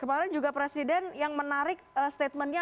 kemarin juga presiden yang menarik statementnya